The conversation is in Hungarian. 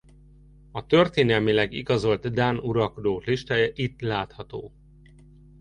A történelmileg igazolt dán uralkodók listája itt látható.